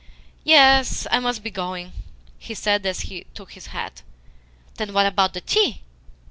"Yes, I must be going," he said as he took his hat. "Then what about the tea?"